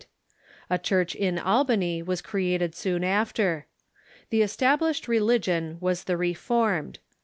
A church in Albany was erected soon after. The es tablished religion was the Reformed.